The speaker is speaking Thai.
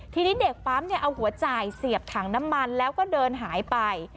ทีนี้เด็กปั๊มเอาหัวจ่ายเสียบถังน้ำมันแล้วก็เดินหายไป